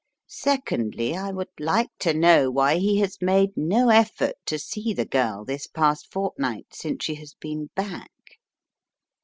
Secondly, I would like to know why he has made no effort to see the girl this past fortnight since she has been back.